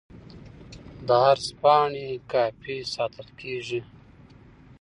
د عرض پاڼې کاپي ساتل کیږي.